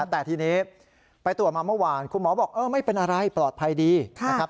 แต่ทีนี้ไปตรวจมาเมื่อวานคุณหมอบอกเออไม่เป็นอะไรปลอดภัยดีนะครับ